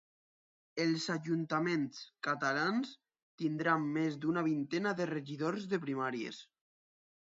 Els ajuntaments catalans tindran més d'una vintena de regidors de Primàries